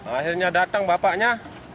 akhirnya datang bapaknya